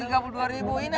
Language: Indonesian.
ini ada gubernurnya